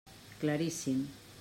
Claríssim.